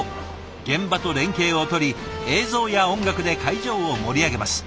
現場と連携をとり映像や音楽で会場を盛り上げます。